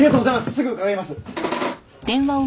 すぐ伺います！